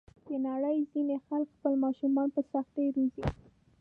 د نړۍ ځینې خلک خپل ماشومان په سختۍ روزي.